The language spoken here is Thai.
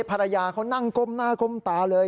ภรรยาเขานั่งก้มหน้าก้มตาเลย